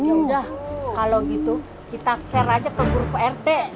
yaudah kalo gitu kita share aja ke grup prd